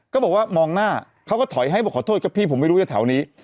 ก็บอกว่ามองหน้าเขาก็ถอยให้บอกขอโทษครับพี่ผมไม่รู้จะแถวนี้